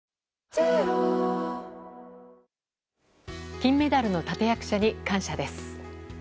金メダルの立役者に感謝です。